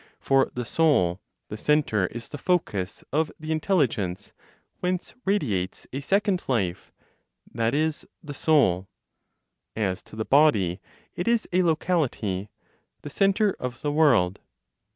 For the Soul, the centre is the focus of (the intelligence) whence radiates a second life (that is, the Soul); as to the body, it is a locality (the centre of the world).